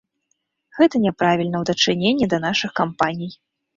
Гэта няправільна ў дачыненні да нашых кампаній.